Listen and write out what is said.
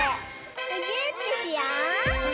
むぎゅーってしよう！